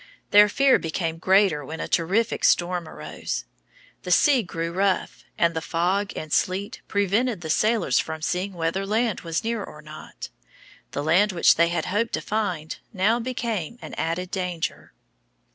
Their fear became greater when a terrific storm arose. The sea grew rough, and the fog and sleet prevented the sailors from seeing whether land was near or not. The land which they had hoped to find now became an added danger.